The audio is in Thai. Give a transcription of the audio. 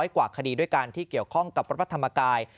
กว่าคดีด้วยกันที่เกี่ยวข้องกับวัดพระธรรมกาย